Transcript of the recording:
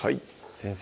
先生